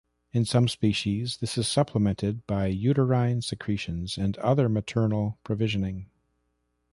In some species, this is supplemented by uterine secretions or other maternal provisioning.